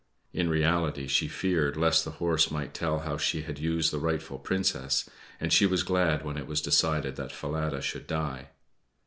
In reality she feared lest the horse might tell how she had used the rightful Princess, and she was glad when it was decided that Falada should die.